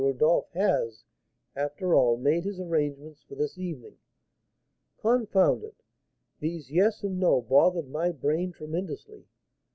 Rodolph has, after all, made his arrangements for this evening.' Confound it! these yes and no bothered my brain tremendously.